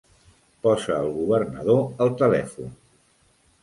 Posa el governador al telèfon!